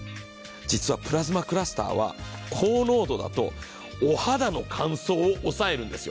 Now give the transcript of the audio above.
実はプラズマクラスターは高濃度だとお肌の乾燥を抑えるんですよ。